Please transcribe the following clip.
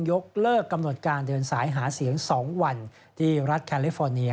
ยกเลิกกำหนดการเดินสายหาเสียง๒วันที่รัฐแคลิฟอร์เนีย